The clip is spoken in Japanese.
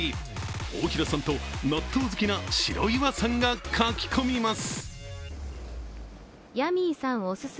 大平さんと納豆好きな白岩さんがかき込みます。